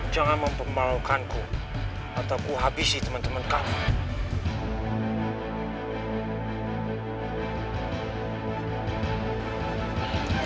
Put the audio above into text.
jangan mempermalaukanku atau aku habisi teman teman kamu